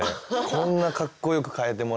こんなかっこよく変えてもらえるのは。